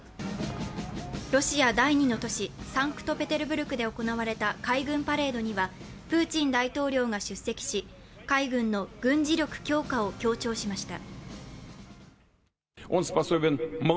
ロシア第２の都市、サンクトペテルブルクで行われた海軍パレードにはプーチン大統領が出席し海軍の軍事力強化を強調しました。